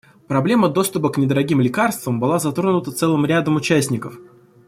Проблема доступа к недорогим лекарствам была затронута целым рядом участников.